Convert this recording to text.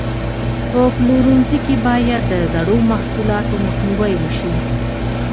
په پلورنځي کې باید د زړو محصولاتو مخنیوی وشي.